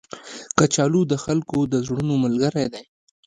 کچالو د خلکو د زړونو ملګری دی